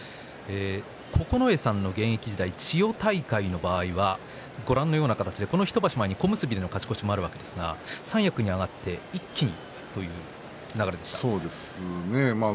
九重さんの現役時代千代大海の場合はこの１場所前に小結での活躍もあるんですが三役になって一気にという流れでしたね。